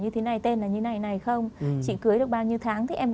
thế mình cứ ngạc đi